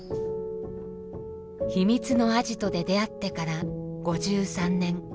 秘密のアジトで出会ってから５３年。